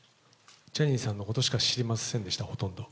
ジャニーさんのことしか知りませんでした、ほとんど。